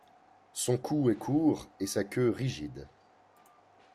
Son cou est court et sa queue rigide.